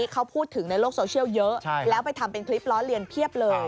เขาพูดถึงในโลกโซเชียลเยอะแล้วไปทำเป็นคลิปล้อเลียนเพียบเลย